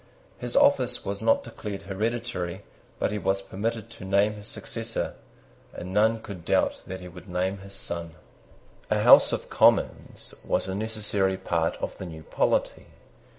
His office was not declared hereditary: but he was permitted to name his successor; and none could doubt that he would name his Son. A House of Commons was a necessary part of the new polity.